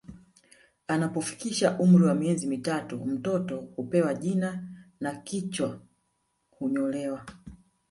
Anapofikisha umri wa miezi mitatu mtoto hupewa jina na kichwa hunyolewa